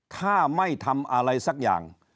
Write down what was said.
ถ้าไม่ทำอะไรสักอย่าง